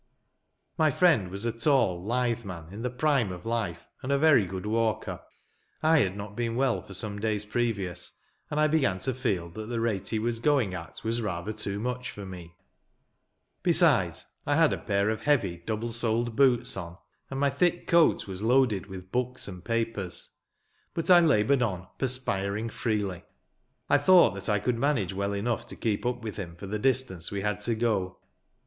My friend was a tall, lithe man, in the prime of life, and a very good walker. I had not been well for some days previous, and I began to feel that the rate he was going at was rather too much for me. Besides, I had a pair of heavy, double soled boots on, and my thick coat was loaded with books and papers. But I laboured on, perspiring freely. I thought that I could manage well enough to keep up with him for the distance we had to go.